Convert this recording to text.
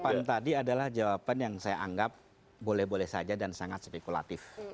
jawaban tadi adalah jawaban yang saya anggap boleh boleh saja dan sangat spekulatif